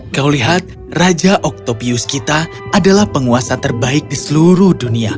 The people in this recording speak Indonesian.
kau lihat raja octopius kita adalah penguasa terbaik di seluruh dunia